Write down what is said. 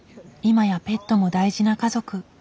いまやペットも大事な家族。